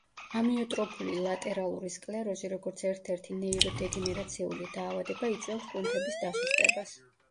ამიოტროფული ლატერალური სკლეროზი, როგორც ერთ-ერთი ნეიროდეგენერაციული დაავადება, იწვევს კუნთების დასუსტებას.